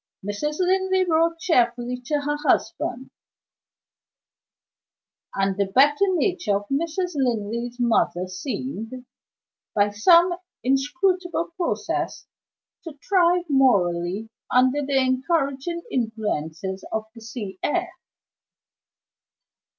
Mrs. Linley wrote cheerfully to her husband; and the better nature of Mrs. Linley's mother seemed, by some inscrutable process, to thrive morally under the encouraging influences of the sea air.